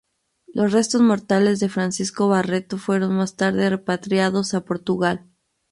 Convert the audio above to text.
Los restos mortales de Francisco Barreto fueron más tarde repatriados a Portugal.